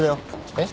えっ？